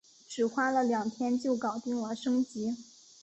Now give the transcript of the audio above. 只花了两天就搞定了升级